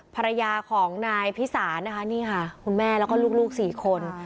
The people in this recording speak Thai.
ภรรยาของนายพิสานคุณแม่ลูก๔คน